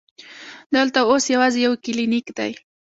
دلته اوس یوازې یو کلینک دی.